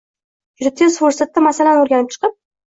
Juda tez fursatda masalani o‘rganib chiqib